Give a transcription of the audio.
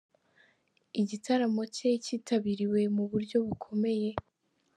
Igitaramo cye cyitabiriwe mu buryo bukomeye.